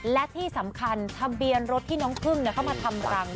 และที่สำคัญทะเบียนรถที่น้องพึ่งเข้ามาทำรัง